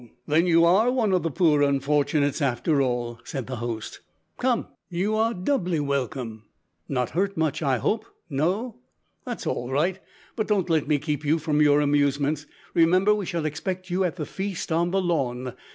then you are one of the poor unfortunates after all," said the host. "Come, you are doubly welcome. Not hurt much, I hope. No? That's all right. But don't let me keep you from your amusements. Remember, we shall expect you at the feast on the lawn.